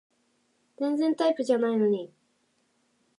全然タイプじゃないのに